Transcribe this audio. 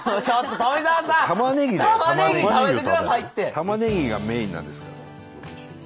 たまねぎがメインなんですから。